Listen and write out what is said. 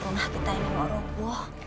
rumah kita ini mau roboh